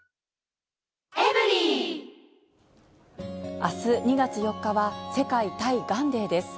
あす２月４日は、世界対がんデーです。